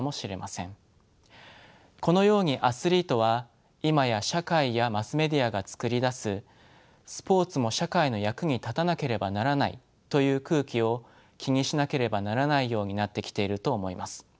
このようにアスリートは今や社会やマスメディアが作り出す「スポーツも社会の役に立たなければならない」という空気を気にしなければならないようになってきていると思います。